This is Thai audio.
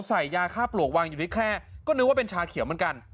ใส่ยาฆ่าปลวกวางอยู่ที่แคร่ก็นึกว่าเป็นชาเขียวเหมือนกัน